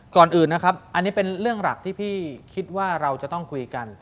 ก่อนอื่นนะครับอันนี้เป็นเรื่องหลักที่พี่คิดว่าเราจะต้องคุยกัน